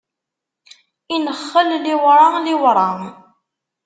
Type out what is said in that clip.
Inexxel liwṛa liwṛa.